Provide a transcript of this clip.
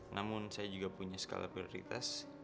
namun saya juga punya skala prioritas